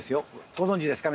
ご存じですか？